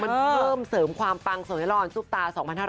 มันเพิ่มเสริมความปังส่วนให้ร้อนสู้ตา๒๕๕๐